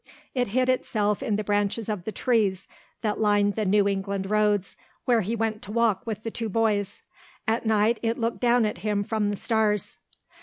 It hid itself in the branches of the trees that lined the New England roads where he went to walk with the two boys. At night it looked down at him from the stars.